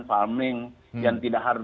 farming yang tidak